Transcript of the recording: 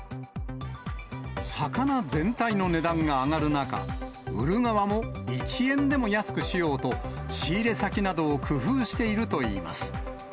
魚全体の値段が上がる中、売る側も１円でも安くしようと、仕入れ先などを工夫しているといいます。